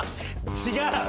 違う？